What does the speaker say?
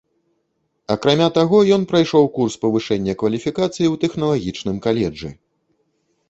Акрамя таго, ён прайшоў курс павышэння кваліфікацыі ў тэхналагічным каледжы.